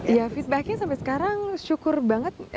iya feedbacknya sampai sekarang syukur banget